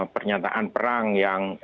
pernyataan perang yang